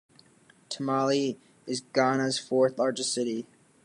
Tamale is Ghana's fourth-largest city.